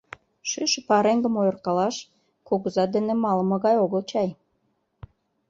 — Шӱйшӧ пареҥгым ойыркалаш — кугызат дене малыме гай огыл чай?